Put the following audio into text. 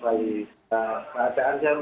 saya lihat lilitan terlalu kejang di leher